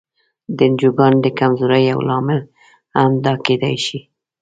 د انجوګانو د کمزورۍ یو لامل دا هم کېدای شي.